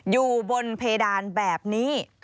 อยู่บนเพดานแบบนี้